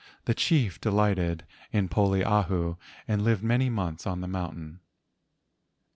The chief delighted in Poliahu and lived many months on the mountain.